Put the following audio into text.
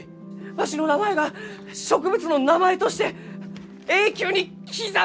わしの名前が植物の名前として永久に刻まれるがじゃ！